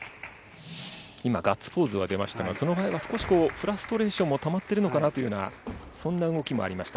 今、ガッツポーズが出ましたが、その前は少し、フラストレーションもたまってるのかなというような、そんな動きもありました